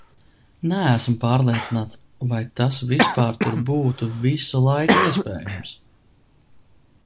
Neesmu pārliecināts, vai tas vispār tur būtu visu laiku iespējams....